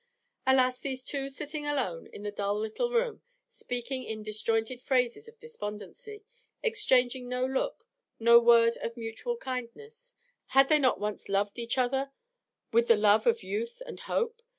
Alas, these two sitting together in the dull little room, speaking in disjointed phrases of despondency, exchanging no look, no word of mutual kindness, had they not once loved each other, with the love of youth and hope?